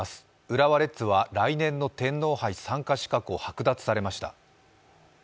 浦和レッズは来年の天皇杯参加資格を剥奪されました。